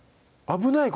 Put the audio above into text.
危ない！